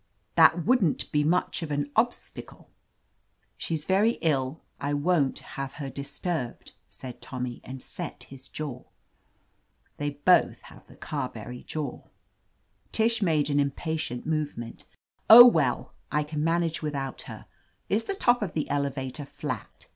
"That wouldn't be much of an obstacle!" 172 OF LETITIA CARBERRY "She's very ill. I won't have her disturbed," said Tommy, and set his jaw. They both have the Carberry jaw. Tish made an impa tient movement. *'0h, wel?,''l can manage without her. Is the top of the elevator flat?"'